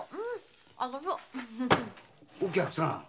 お客さん。